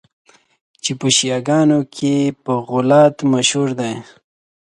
چي په شیعه ګانو کي په غُلات مشهور دي.